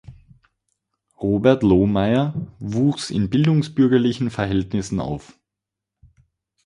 Robert Lohmeyer wuchs in bildungsbürgerlichen Verhältnissen auf.